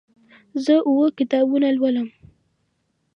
زه اوه کتابونه لولم.